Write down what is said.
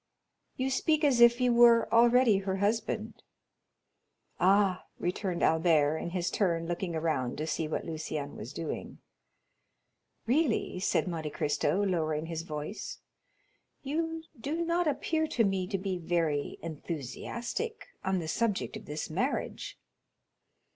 "You speak as if you were already her husband." "Ah," returned Albert, in his turn looking around to see what Lucien was doing. "Really," said Monte Cristo, lowering his voice, "you do not appear to me to be very enthusiastic on the subject of this marriage."